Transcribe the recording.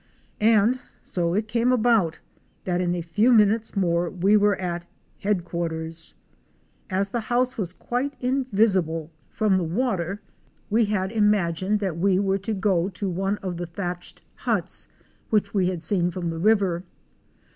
And so it came about that in a few minutes more we were at "Headquarters." As the house was quite invisible from the 88 OUR SEARCH FOR A WILDERNESS. water, we had imagined that we were to go to one of the thatched huts which we had seen from the river.